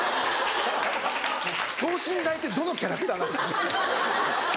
等身大ってどのキャラクター？